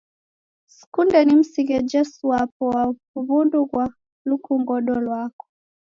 Sikunde nimsighe Jesu wapo wa wundu ghwa lukungodo lwako